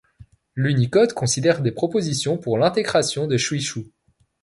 L'unicode considère des propositions pour l'intécration du Shuishu.